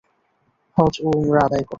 হজ্জ ও উমরা আদায় কর।